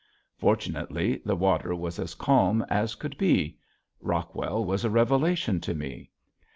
Fortunately the water was as calm as could be. Rockwell was a revelation to me.